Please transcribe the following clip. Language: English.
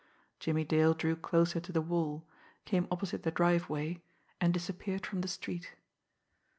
Jimmie Dale drew closer to the wall, came opposite the driveway and disappeared from the street.